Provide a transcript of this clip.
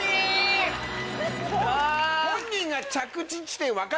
本人が。